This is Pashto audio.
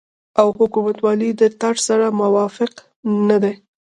او حکومتولۍ د طرز سره موافق نه دي